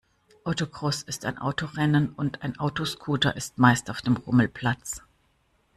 Autocross ist ein Autorennen und ein Autoscooter ist meist auf dem Rummelplatz.